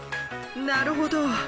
なるほど。